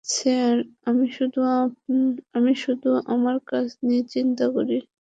Sir, আমি শুধুমাত্র আমার কাজ নিয়ে চিন্তা করি।